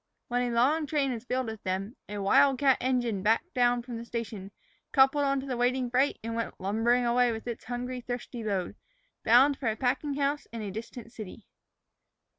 When a long train was filled with them, a wildcat engine backed down from the station, coupled on to the waiting freight, and went lumbering away with its hungry, thirsty load, bound for a packing house in a distant city.